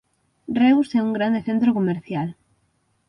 Reus é un grande centro comercial.